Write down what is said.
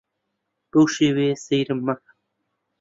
بەو شێوەیە سەیرم مەکە.